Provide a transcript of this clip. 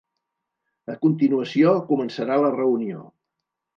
A continuació, començarà la reunió.